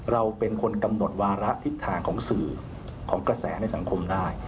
เราเป็นคนกำหนดวาระทิศทางของสื่อของกระแสในสังคมได้